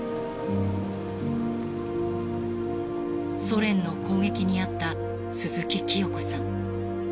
ソ連の攻撃に遭った鈴木きよ子さん。